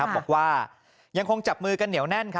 บอกว่ายังคงจับมือกันเหนียวแน่น